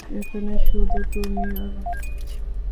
এখানে শুধু তুমি আর আমি আছি।